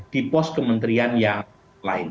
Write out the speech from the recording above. di pos kementerian yang lain